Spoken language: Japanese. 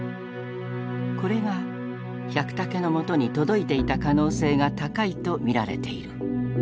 これが百武のもとに届いていた可能性が高いと見られている。